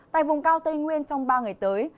tại vùng cao tây nguyên trong ba ngày tới